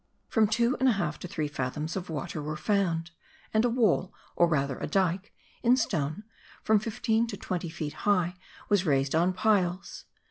From two and a half to three fathoms of water were found; and a wall, or rather a dyke, in stone, from fifteen to twenty feet high, was raised on piles.